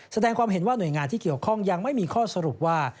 แสดงความเห็นว่าหน่วยงานที่เกี่ยวข้องยังไม่มีข้อสรุปว่า